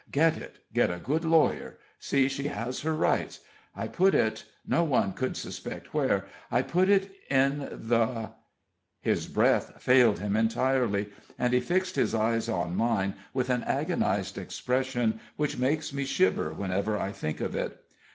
Get it get a good lawyer see she has her rights. I put it no one could suspect where I put it in the " His breath failed him entirely, and he fixed his eyes on mine with an agonized expression which makes me shiver whenever I think of it.